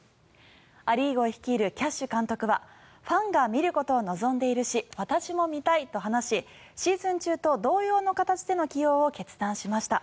ア・リーグを率いるキャッシュ監督はファンが見ることを望んでいるし私も見たいと話しシーズン中と同様の形での起用を決断しました。